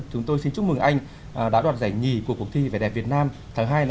chúng tôi xin chúc mừng anh đã đoạt giải nhì của cuộc thi vẻ đẹp việt nam tháng hai năm hai nghìn một mươi tám